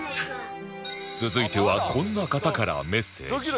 続いてはこんな方からメッセージ